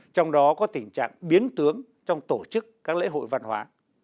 trong đó có tình trạng biến tướng trong tổ chức các lễ hội văn hóa